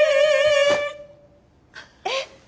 えっ？